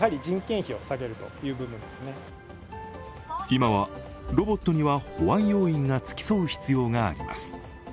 今はロボットには保安要員が付き添う必要があります。